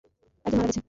একজন মারা গেছে।